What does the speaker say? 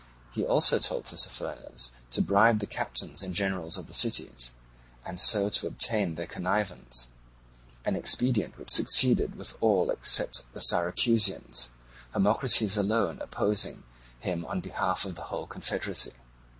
He also told Tissaphernes to bribe the captains and generals of the cities, and so to obtain their connivance—an expedient which succeeded with all except the Syracusans, Hermocrates alone opposing him on behalf of the whole confederacy.